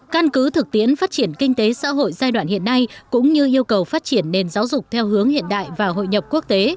căn cứ thực tiễn phát triển kinh tế xã hội giai đoạn hiện nay cũng như yêu cầu phát triển nền giáo dục theo hướng hiện đại và hội nhập quốc tế